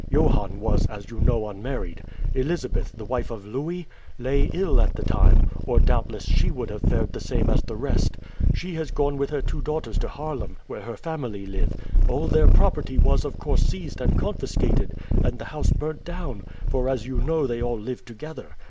Johan was, as you know, unmarried. Elizabeth, the wife of Louis, lay ill at the time, or doubtless she would have fared the same as the rest. She has gone with her two daughters to Haarlem, where her family live. All their property was, of course, seized and confiscated, and the house burnt down; for, as you know, they all lived together.